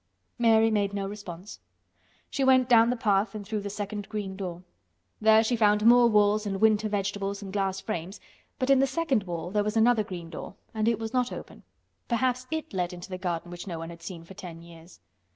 Mary made no response. She went down the path and through the second green door. There, she found more walls and winter vegetables and glass frames, but in the second wall there was another green door and it was not open. Perhaps it led into the garden which no one had seen for ten years.